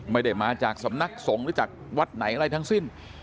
ไม่ได้มาจากสำนักสงฆ์หรือจากวัดไหนอะไรทั้งสิ้น